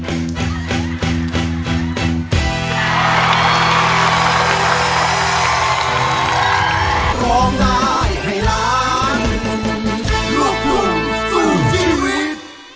เจ้าแปลไปหัวใจมันถูกปืนแคบล้มทั้งคืน